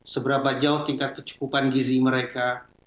seberapa jauh tingkat kecukupan gizi mereka